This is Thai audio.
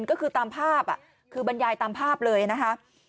ก็คือตามภาพคือบรรยายตามภาพเลยนะคะ